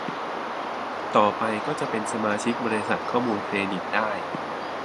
ต่อไปก็จะเป็นสมาชิกบริษัทข้อมูลเครดิตได้